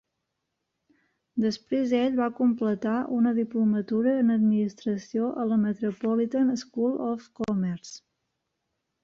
Després ell va completar una diplomatura en Administració a la Metropolitan School of Commerce.